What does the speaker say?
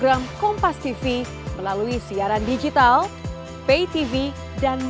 dalam keadaan ini pompeo seperti pada saat ini menjadi bentuk jurnal yang hanya di tingkat immense